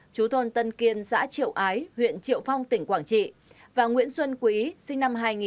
chú thôn tân kiên xã triệu ái huyện triệu phong tỉnh quảng trị và nguyễn xuân quý sinh năm hai nghìn